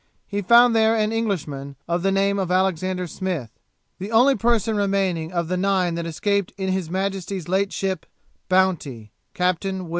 he found there an Englishman of the name of Alexander Smith, the only person remaining of nine that escaped in his Majesty's late ship Bounty, Captain W.